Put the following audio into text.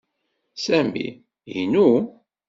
Sami inu.